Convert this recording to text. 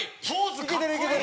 いけてるいけてる！